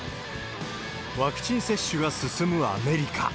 ワクチン接種が進むアメリカ。